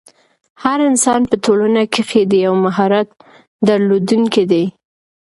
هر انسان په ټولنه کښي د یو مهارت درلودونکی دئ.